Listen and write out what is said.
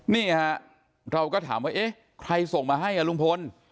นี่ฮะเราก็ถามว่าเอ๊ะใครส่งมาให้ลุงพล